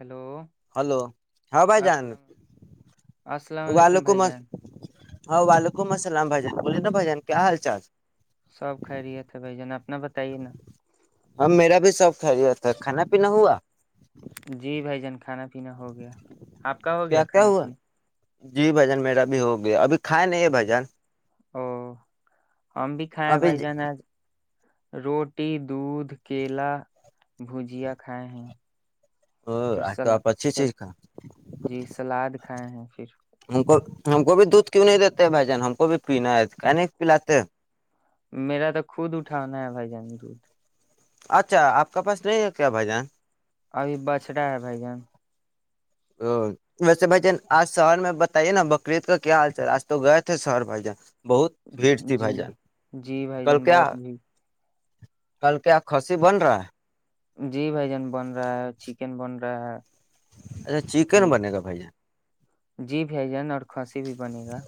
Hello hello ہاں بھائی جان السلام السلام علیکم بھائی ابلوکمت جان ہاں وعلیکم السلام بھجن بوولے نا بھجن کیا حال چال سب کھہ رہے تھے بھ جان اپنا بتائیے نا اب میرا بھی شوق خیریت تھا کھانا پینا ہوا جی بھائی جان کھانا پینا ہو گیا آپ کا ہو کیا گیا کیا کھانے ہوا پینے جی بھجن میرا بھی ہو گیا ابھی کھایا نہیں ہے بھجن او ہم بھی کھائے ابھی بھائی جان آج روٹی دودھ کیلا بھجیا کھائے ہیں پھر آج تو آپ اچھی س چیز کھا جی سلاد کھائے ہیں پھر ہم کو ہم کو بھی دودھ کیوں نہیں دیتے بھائی جان ہم کو بھی پینا ہے ک نہیں پیلاتے میرا تو خود اٹھانا ہے بھائی جان دھ اچھا آپ کا پاس نہیں ہے کیا بھائی جان ابھی بچھڑا ہے بھائی جان ا ویسے بھائی جان آج شہر میں بتائیے نا بقرریید کا کیا حال چال آج تو گئے تھے شہر بھائی جان بہت بھیڑ تھی جی بھائی جان جی بھائی جان کلکے بہت بھی کل کیا کسی بن رہا ہے جی بھائی جان بن رہا ہے چکن بن رہا ہے اچھا چکن بنے پھر گا بھیا جی بھیھ جان اور کھانسی بھی بنے گا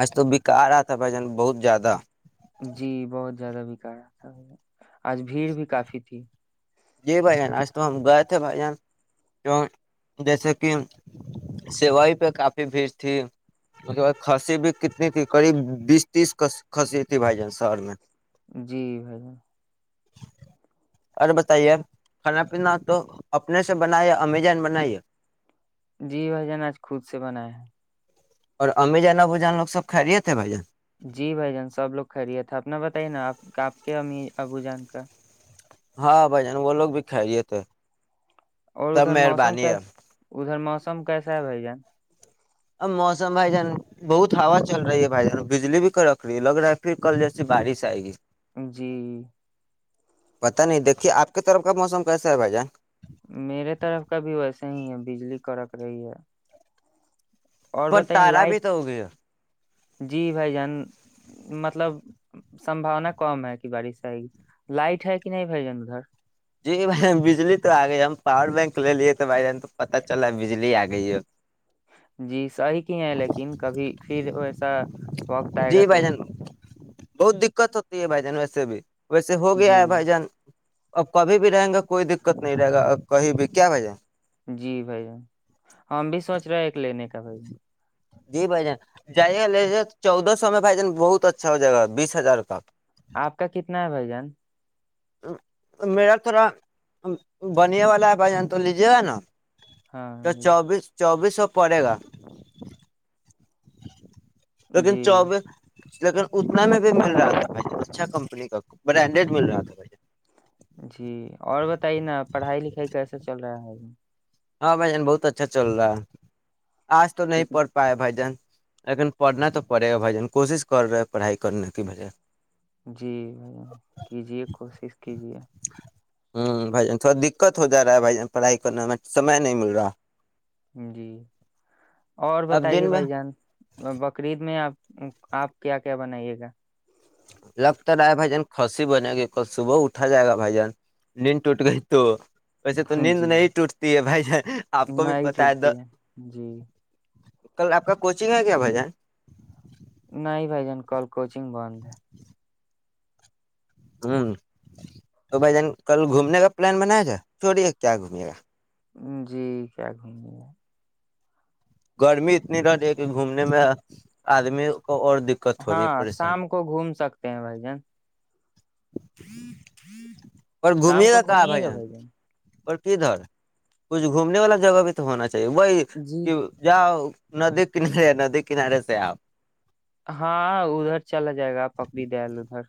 آج تو بکارا تھا بھجن بہت زیادہ جی بہت زیادہ بکار رہا تھا آج بھیڑ بھی کافی تھی جی بھائی جان آج تو ہم گئے تھے بھائی جان کی جیسے کہ سوئی پہ کافی بھیڑ تھی مے ب کھنسی بھی کتنی تھی قریب بیس تیس کھسی تھی بھائی جان شہر میں جی بھائی اوررے بس کھانا پینا تو اپنے سے بنا ہے امیزان بناائیے جی بھائی جان آج خود سے بناائے ہیں اور اممی جان نا ب جان لوگ سب کھ رہیے تھے بھائی جان جی بھائی جان سب لوگ کھریے تھا اپنا بتائیے نا آپ آپ کے ا ابو جان کا ہاں بھائی جان وہ لوگ بھی کھہریے تھے اور ادھر موسم کی ادھر موسم م کیسا ہے بھ جان اب موسم بھائی جان بہت ہا چل رہی ہے بھائی جان بجلی بھی ک رکھ رہی ہے لگ رہا ہے پھر کل جیسے بارش آئے گی جی پتا نہیں دیکھیے آپ کی طرف کا موسم کیسا ہے بھائی جان میرے طرف کا بھی ویسے ہی ہے بجلی کڑک رہی ہے اور پر بتائیے تارا بھی لائٹ تو ہو گیا جی بھائی جان مطلب سمباونا کم ہے کہ بارش سے لائٹ ہے کہ نہیں بھ جان ادھر جی بھائی بجلی تو آ گئی ہم پاور بینک لے لیے تھ بھائی ہم تو پت چلا بجلی آ گئی ہے جی صحیح کی ہے لیکن کبھی پھر ویسا وقت آئے گا جی بھائی تو جان بہت دقت ہوتی ہے بھائی جان ویسے بھی ویسے ہو گیا جی ہے بھائی جان اور کبھی بھی رہیں گا کوئی دقت نہیں رہے گا کہیں بھی کیا ب جائے جی بھائی ہم بھی سوچ رہے ہیں ایک لینے کا بھائی جی بھ جان جائیے گا لے چودہ سو میں بھائی جان بہت اچھا ہو جائے گا بیس ہزار کاک آپ کا کتنا ہے بھائی جان میرا تھوڑا بنیا والا ہے بھ جان تو لیجے گا نا تو ہاں جی چوبیس چوبیس س پڑے گا تویکن چاب جی لیکن اتنا میں بھی مل رہا تھا اچھا کمپنی کا برانڈیڈ مل رہا تھاے جی اور بتائیے نا پڑھائی لکھائی کیسا چل رہا ہے ہاں بھائی جان بہت اچھا چل رہا ہے آج تو نہیں کتنی پڑھ پایا بھائی جان لیکن پڑھنا تو پڑے گ بائی جن کوشش کر رہے پڑھائی کرنے کی بھجیا جی بھ کیجیے کوشش کیجے ہوں بھائی جان تھوڑا دقت ہو جا رہا ہے بھائی جان پڑھائی کرنے میں سمے نہیں مل رہا جی اور اب بتائیے دن میں بھائی جان بقرید میں آپ آپ کیا کیا بنائیے گا لگتا رہا ہے بھائی جان خھسی بنے گی ک صبح اٹھا جائے گا بھائی جان نیند ٹوٹ گئی تو ویسے تو نیند جی نہیں ٹوٹتی ہے بھائی ج آپ کو بھی نہیں پتا ہے ٹوٹتی جی کل آپ کا کوچنگ ہے کیا بجہ نہیںائ بائی جان کال کوچنگ بند ہوں تو بھائی جان کل گھومنے کا پلان بنایا تھاائے چھوڑی کیا گھومے گا جی کیا گھومنی ہے گرمی اتنی رہ رہی ہے کہ گھومنے میں آدمی کو اور دقت ہو رہی ہے پریشانی پین بھائی جان اور گھومے شام کو گا کہاں گھمیے بھائیان بھائی جان اور کدھر کچھ گھومنے والا جگہ بھی تو ہونا چ وہی جی کہ ج ندی کنارے ندی کنارے سے آپ ہاں ادھر چلا جائے گا پکڑی دےل ادھر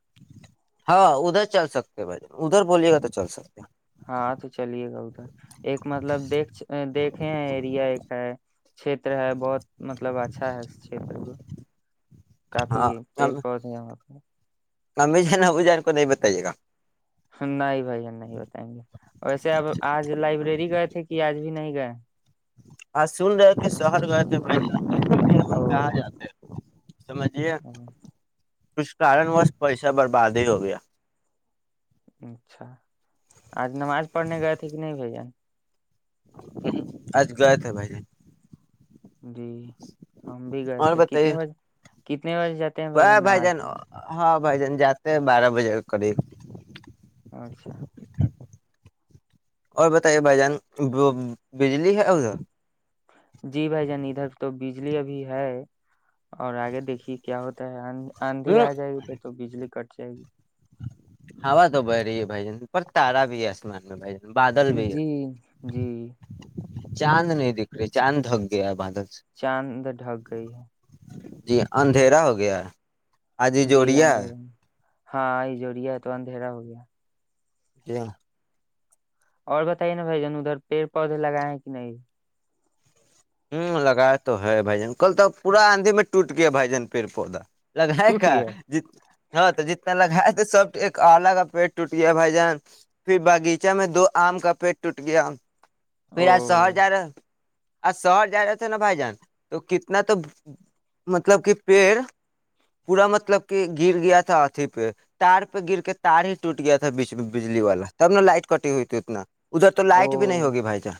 ہاں ادھر چل سکتے بھائی ادھر بولیے گا تو چل سکتے ہاں تو چلیے گا ادھر ایک مطلب دیکھ دیکھے ہیں ایریا ایک ہے چھیتر ہے بہت مطلب اچھا ہے اس چھیتر کو کافی ہاں پیڑ پودے یہاں پ امی ج نا ابو جان کو نہیں بتائیے گا نہیںائ نہیں بتائیں گے ویسے اب آج لائبریری گئے تھے کہ آج بھی نہیں گئے آ سن رہے کہ شہر گئے لن او کہ سمجھیے کچھ کارن وس پیسہ برباد ہی ہو گیا اچھا آج نماز پڑھ گئے تھے کہ نہیں بھ جان آج گئے تھے بھائی ج جی ہم بھی گئے تھے کتنے بجے کتنے بجے جاتے ہیں ب بھائی نماز جان میں ہاں بائی جان جاتات بارہ بجے کر اچھا اور بتائیے بھائی جان بجلی ہے ادھر جی بھائی جان ادھر تو بجلی ابھی ہے اور آگے دیکھیے کیا ہوتا ہے آندھی ہ آ جائے گی تو بجلی کٹ اچھا جی ہوا تو ب رہی ہے بھ جن پر تارا بھی آسمان میں بھ ج جی جی چاند نہیں دکھ رہی چاند دھک گیا بد چاند ڈھک گئی ہے جی اندھیرا ہو گیا ہے آج جی جوڑیا اندھیرا میں۔ ہاں ای جووریا ہے تو اندھیرا ہو گیا جاں اور بتائیے نا بھائی جان ادھر پیڑ پودے لگائے کہ نہیں ہوں لگائےیا تو ہے بھائی جان کل تو پورا آندھی میں ٹوٹ گیا بھائی جان پیڑ پودا لگائے ٹوٹ کا گیا ج ہاں تو جتنا لگا سب ایک آلہ کا پیٹ ٹوٹ گیا بھائی جان پھر باغیچہ میں دو آم کا پیٹ ٹوٹ گیا پھر او آج شہر جا رہے آ شہر جا رہے تھے نا بھائی جان تو کتنا تو مطلب کہ پیڑ پورا مطلب کہ گر گیا تھا اھی پہ تار پہ گر کے تار ہی ٹوٹ گیا تھاچ بجلی والا تب ن لائٹ کٹی ہوئی تھی اتنا ادھر تو او لائٹ بھی نہیں ہوگی بھائی جان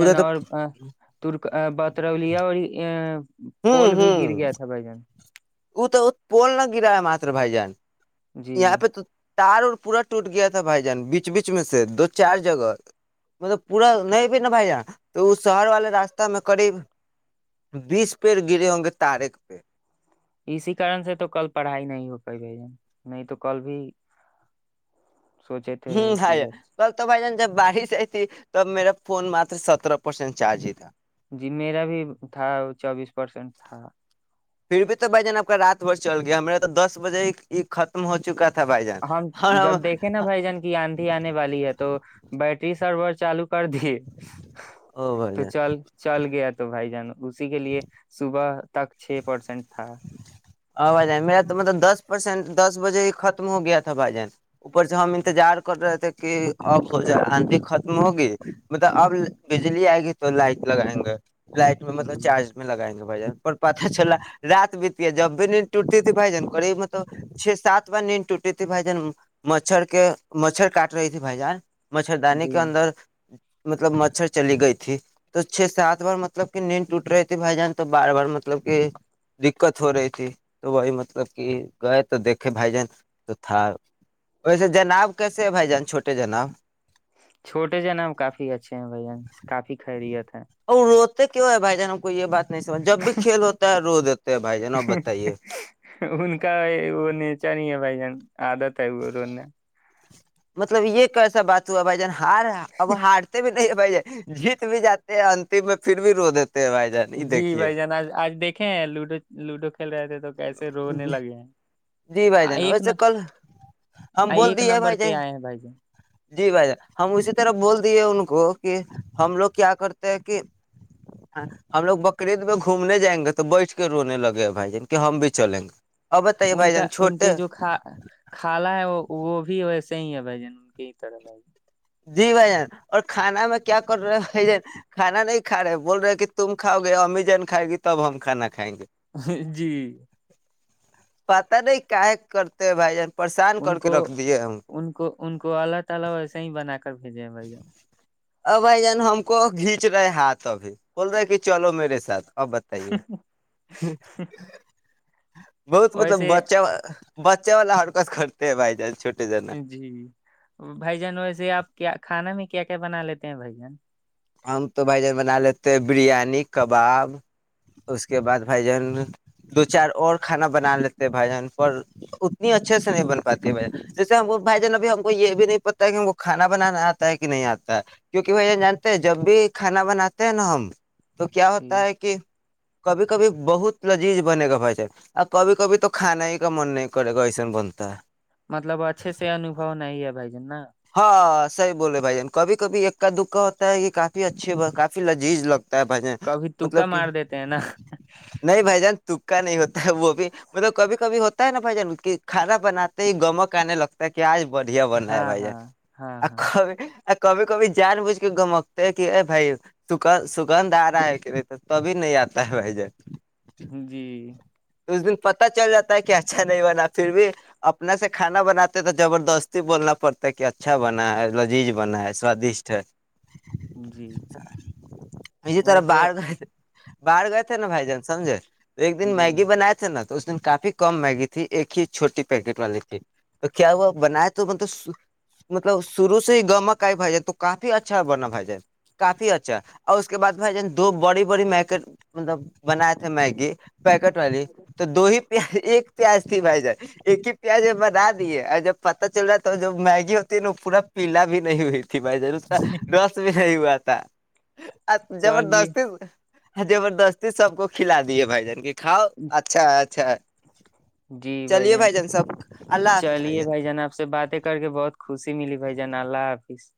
ادھر تو تک بطر لیا اور پول بھی گر گیا تھا بھائی جان ا تو پول نہ گرا ہے ماتر بائی جان جی یہاں پہ تو تار اار پورا ٹوٹ گیا تھا بھائی جان بیچ بیچ میں سے دو چار جگہ مطلب پورا نہیں بھی نا بھائی جان تو وہ شہر والے راستہ میں قریب بیس پڑ گرے ہوں گے تارے پ اسی کارن سے تو کل پڑھائی نہیں ہو پائی بھ ج نہیں تو کل بھی سوچے تھے ہوں ہے کہ تو تو بھ ج ج بارش آئی تھی تب میرا فون مات سترہ پرسینٹ چارج ہی تھا جی میرا بھی تھا چوبیس پرسینٹ تھا پھر بھی تو بھائی جان آب کا رات بھر چل گیا ہما تو دس بجے یہ ختم ہو چکا تھا بھائی جان ہم اور جب دیکھیں نا بھائی جن کی آندھی آنے والی ہے تو بیٹری سرور چالو کر دیے او بھائی جان تو چل چل گیا تو بھائی جان اسی کے لیے صبح تک چھ پرسینٹ تھا ا بھائی جان میرا تو مطلب دس پرسینٹ دس بجے ہی ختم ہو گیا تھا بھائی جان اوپر سے ہم انتظار کر رہے تھے کہ آب ہو جائے آندھی ختم ہوگی مطلب اب بجلی آئے گی تو لائٹ لگائیں گے لائٹ میں مطلب جی چارج میں لگائیں گے بھائیان پر پتہ چلا رات بیتیا جب نیند ٹوٹتی تھی بھائی جان کریب میں توب چھ سات بار نیند ٹوٹی تھی بھائی جان مچھر کے مچھر کاٹ رہی تھی بھائی جان مچھردانی کے جی اندر مطلب مچھر چلی گئی تھی تو چھ سات بار مطلب کہ نیند ٹوٹ رہی تھی بھائی جان تو بار بار مطلب کہ دقت ہو رہی تھی تو وہی مطلب کہ گئے تو دیکھے بھائی جان تو تھا ویسے جناب کیسے ہے بھائی جان چھوٹے جناب چھوٹے ج نا کافی اچھے ہیں بھین کافی خیریت ہیں اور روتے کیوں ہے بھائی جان کوئی یہ بات نہیں سج جب بھی کھیل ہوتا ہے رو دیتے ہیں بھائی جان اب بتائیے بھ جن آادت ہے گورو نے مطلب یہ ایسا بات ہوا بھائی جان ہار رہ ہے اب ہارتے بھی بھائی ج جیت بھی جات ہیں اننتم میں پھر بھی رو دیتے ہیں بھائی جان یہ جی دیکھیے بھائی جان آ آج دیکھے لوڈو لوڈو کھیل رہے تھے تو کیسے رونے لگے ہیں جی بھائی جن ایک ویسے کل ہم بول ایک دی ہے نمبر بھائی پہ جن آئے ہیں بھائی جان جی بھائی جان ہم اسی طرح بول دیے ان کو کہ ہم لوگ کیا کرتے ہیں کہ ہم لوگ بکرعید میں گھومنے جائیں گے تو بیٹھ کے رونے لگے بھائی جان کی ہم بھی چلیں گے اب ان کا ان کے جو کا کالا ہے وہ وہ بھی ویسے ہی ہے بھائی جن کے ہی طرح بائی جی بھ جان اور کھانا میں کیا کر رہے بھ جان کانا نہیں کھ رہے بول رہے کہ تم کھاؤ گے امی جن کھائے گی تب ہم کھانا کھائیں گے جی پتا نہیں کاائے کرتے ہو بھائی جان پریشان ان کر کے کو رکھ دیے ہم ان کو ان کو اللہ تعالی ویسے ہی بنا کر دیجئے بھائی جان ہاں بھائی جان ہم کو کھینچ رہے ہاتھ ابھی بول رہے کہ چلو میرے ساتھ اب بتائیے بہت مطلب ویسے بچہ بچے والا اور کس کرتے ہے بھائی جان چھو جی بھائی جان ویسے آپ کیا کھانا میں کیا کیا بنا لیتے ہیں بھائی جان ہم تو بھائی جان بنا لیتے ہیں بریانی کباب اس کے بعد بھائی جان دو چار اور کھانا بنا لیتے بھائی جان پر اتنی اچھے سے نہیں بن پاتے بھائی جیسے ہم بھائی جان اب ہم کو یہ بھی نہیں پتا ہے کہ ہم کو کھانا بنانا آتا ہے کہ نہیں آتا ہے کیونکہ بھائی جان جب بھی کھانا بناتے ہیں نہ ہم تو کیا جی ہوتا ہے کہ کبھی کبھی بہت لذیذ بنے گا بھائی جان کبھی کبھی تو کھانا ہی کا من نہیں کرے گا ایسا بنتا ہے مطلب اچھے سے انوبو نہیں ہے بھائی جان نہ ہاں صحیح بولے بھائی جان کبھی کبھی ایکا دکا ہوتا ہے یہ کافی اچھے با کافی لذیذ لگتا بھائی جان کبھی مطلب تکا کہ مار دیتے ہیں نا نہیں بھائی جان تکا نہیں ہوتا ہے وہ بھی مطلب کبھی کبھی ہوتا ہے نا بھائی جان کہ کھانا بناتے ہی گمک آنے لگتا ہے کہ آج بڑھیا بننا ہے ہاں بھائی جان ہاں ہاں آ ہاں کھب کبھی کبھی جان بوجھ کے گمکتے ہیں کہ ا بھائی سگ سگندھ آ رہا ہے کہ نہیں تو تبھی نہیں آتا ہے بھائی جان جی تو اس دن پتہ چل جاتا ہے کہ اچھا نہیں بنا پھر بھی اپنا سے کھانا بناتے ہیں تو زبردستی بولنا پڑتا ہے کہ اچھا بنا ہے لذیذ بنا ہے سوادشٹ ہے جی میری طرف ویسے باہر باہر گئے تھے نا بھائی جان سمجے تو ایک دن جی میگی نا تو اس دن کافی کم میگی تھی ایک ہی چھوٹی پیکٹ والی تھی تو کیا وہ بنائے تو مب مطلب شروع سے ہی گمک آئیائی جائے تو کافی اچھا بناائی جائے کافی اچھا اور اس کے بعد بھائی جان دو بڑی بڑی میکٹ مطلب بنائے تھے میگی والی تو دو ہی پیہ ایک پیاز تھی بھائی جائے ایک ہی پیاز بنا دیے جب پتا چل رہا تھا تو جو میگی ہوتی ہے نا وہ پورا پیلا بھی نہیں ہوئی بھائی جان اس کا رس بھی نہیں ہوا تھا تہ ا چلیے زبردست زبردستی سب کو کھلا دیے بھائی جان کے کھاؤ اچھا ہے اچھا جی بھائی جان چلیے بھائی جان آپ سے باتیں کر کے بہت خوشی ملی بھائی جان اللہ حافظ